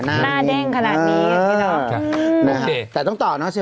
หน้าแด้งขนาดนี้